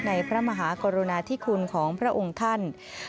พระมหากรุณาธิคุณของพระองค์ท่าน